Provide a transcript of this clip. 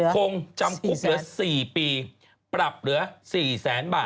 คงจำคุกเหลือ๔ปีปรับเหลือ๔แสนบาท